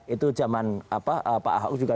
itu zaman pak ahok juga